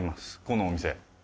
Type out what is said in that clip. このお店。